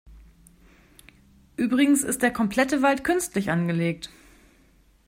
Übrigens ist der komplette Wald künstlich angelegt.